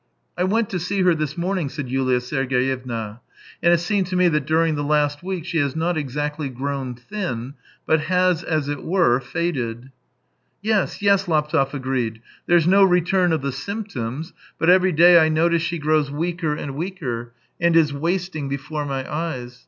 " I went to see her this morning," said Yulia Sergeyevna, " and it seemed to me that during the last week she has, not exactly grown thin, but has, as it were, faded," " Yes, yes," Laptev agreed. " There's no return of the symptoms, but every day I notice she grows weaker and weaker, and is wasting before my eyes.